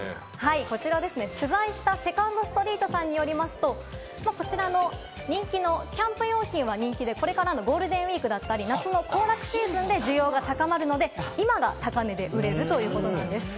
取材したセカンドストリートさんによりますと、人気のキャンプ用品はこれからのゴールデンウイークだったり、夏の行楽シーズンで需要が高まるので、今が高値で売れるそうです。